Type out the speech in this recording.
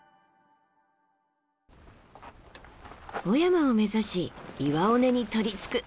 雄山を目指し岩尾根にとりつく。